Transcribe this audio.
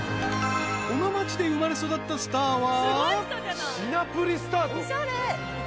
［この町で生まれ育ったスターは］